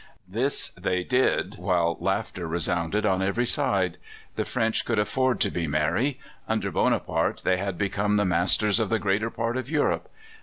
This they did, while laughter resounded on every side. The French could afford to be merry. Under Bonaparte they had become the masters of the greater part of Europe.